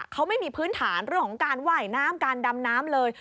เขาไม่มีพื้นฐานเรื่องของการว่ายน้ำการดำน้ำเลย